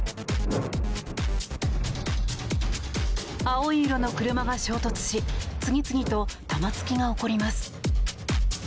青い色の車が衝突し次々と玉突きが起こります。